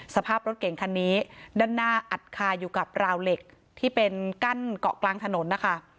สภาพรถเก่งคันนี้ด้านหน้าอัดคาอยู่กับราวเหล็กที่เป็นกั้นเกาะกลางถนนนะคะ